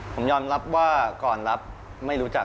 ผมยอมรับว่าก่อนรับไม่รู้จัก